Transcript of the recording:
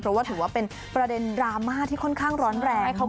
เพราะว่าถือว่าเป็นประเด็นดราม่าที่ค่อนข้างร้อนแรง